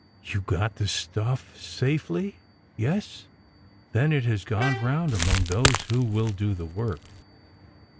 "You got the stuff safely? Yes? Then it has gone round among those who will do the work.